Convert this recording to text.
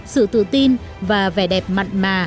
sự tự tin và vẻ đẹp mặn mà